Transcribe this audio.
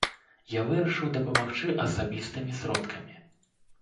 Я вырашыў дапамагчы асабістымі сродкамі.